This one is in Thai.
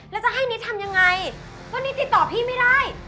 แล้วจะให้นิดทำยังไงวันนี้ติดต่อพี่ไม่ได้